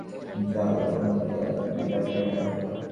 যা লো মতি, আজ তুই রাধবি যা।